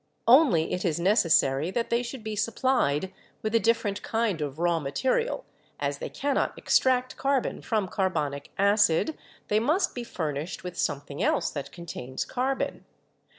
Only it is necessary that they should be supplied with a different kind of raw material; as they cannot ex tract carbon from carbonic acid, they must be furnished with something else that contains carbon.